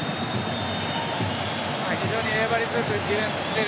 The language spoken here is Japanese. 非常に粘り強くディフェンスしている。